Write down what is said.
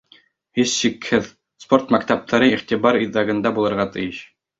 — Һис шикһеҙ, спорт мәктәптәре иғтибар үҙәгендә булырға тейеш.